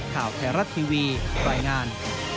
ข่าวแทรรัสทีวีปล่อยงาน